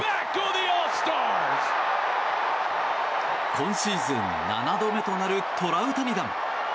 今シーズン７度目となるトラウタニ弾。